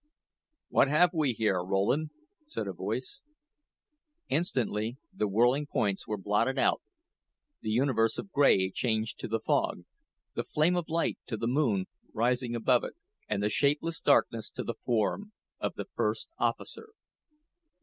"What have we here, Rowland?" said a voice. Instantly, the whirling points were blotted out; the universe of gray changed to the fog; the flame of light to the moon rising above it, and the shapeless darkness to the form of the first officer.